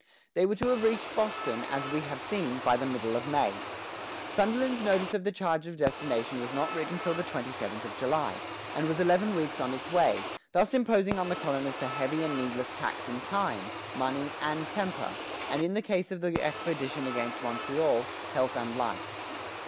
They were to have reached Boston, as we have seen, by the middle of May. Sunderland's notice of the change of destination was not written till the twenty seventh of July, and was eleven weeks on its way, thus imposing on the colonists a heavy and needless tax in time, money, temper, and, in the case of the expedition against Montreal, health and life.